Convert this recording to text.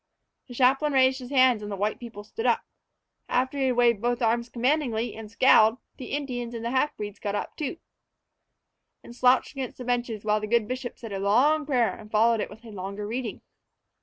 The chaplain raised his hand, and the white people stood up. And after he had waved both arms commandingly and scowled, the Indians and the half breeds got up, too, and slouched against the benches while the good bishop said a long prayer and followed it with a longer reading.